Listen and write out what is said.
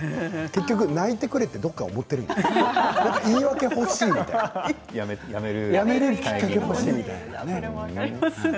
結局泣いてくれってどこか思っているので言い訳が欲しいとやめるきっかけがほしいみたいな。